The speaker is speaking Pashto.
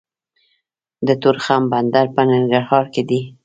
د تورخم بندر په ننګرهار کې دی